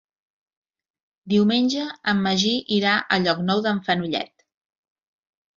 Diumenge en Magí irà a Llocnou d'en Fenollet.